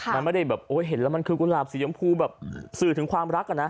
มันไม่ได้แบบโอ้ยเห็นแล้วมันคือกุหลาบสียมพูแบบสื่อถึงความรักอะนะ